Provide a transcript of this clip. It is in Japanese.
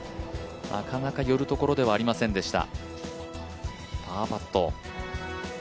なかなか寄るところではありませんでした。